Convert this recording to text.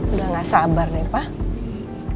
udah gak sabar nih pak